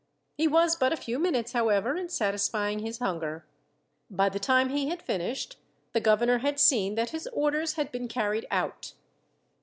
He was but a few minutes, however, in satisfying his hunger. By the time he had finished, the governor had seen that his orders had been carried out.